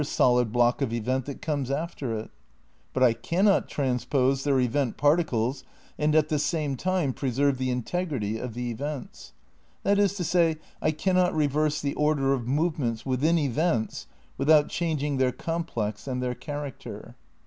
248 THE NEW IDEALISM vn solid block of event that comes after it ; but I cannot transpose their event particles and at the same time preserve the integrity of the events. That is to say, I cannot reverse the order of move menta within events without changing their complex and their character.